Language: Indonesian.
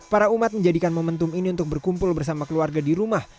para umat menjadikan momentum ini untuk berkumpul bersama keluarga di rumah